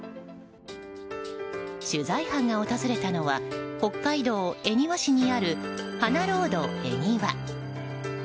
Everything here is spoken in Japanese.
取材班が訪れたのは北海道恵庭市にある花ロードえにわ。